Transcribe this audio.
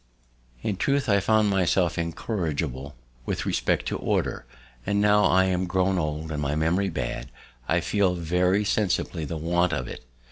In truth, I found myself incorrigible with respect to Order; and now I am grown old, and my memory bad, I feel very sensibly the want of it.